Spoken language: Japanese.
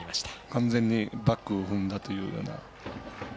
完全にバックを踏んだというような。